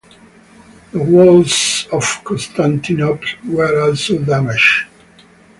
The Walls of Constantinople were also damaged.